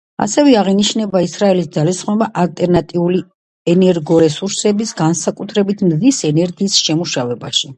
ასევე აღინიშნა ისრაელის ძალისხმევა ალტერნატიული ენერგორესურსების, განსაკუთრებით მზის ენერგიის შემუშავებაში.